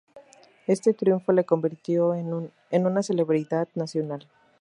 Este triunfo le convirtió en una celebridad nacional.